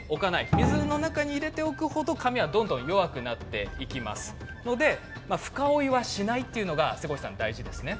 水の中に入れておくと紙はどんどん弱くなってきますので深追いはしないということが大事ですね。